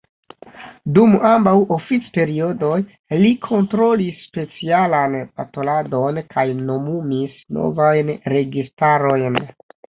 Dum ambaŭ oficperiodoj li kontrolis specialan balotadon kaj nomumis novajn registarojn.